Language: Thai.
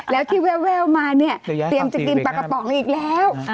แล้วที่แววมาเนี่ยเตรียมจะกินปลากระป๋องอีกแล้ว